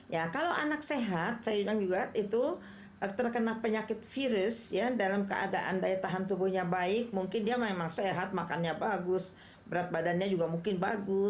ya kalau anak sehat saya bilang juga itu terkena penyakit virus ya dalam keadaan daya tahan tubuhnya baik mungkin dia memang sehat makannya bagus berat badannya juga mungkin bagus